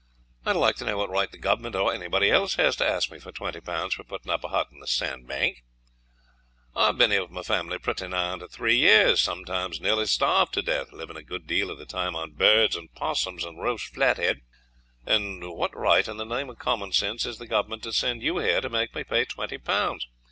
I would like to know what right the Government, or anybody else, has to ask me for twenty pounds for putting up a hut on this sandbank? I have been here with my family pretty nigh on to three years; sometimes nearly starved to death, living a good deal of the time on birds, and 'possums, and roast flathead; and what right, in the name of common sense, has the Government to send you here to make me pay twenty pounds?